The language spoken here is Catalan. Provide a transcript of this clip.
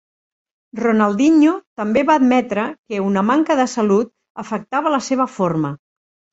Ronaldinho també va admetre que una manca de salut afectava la seva forma.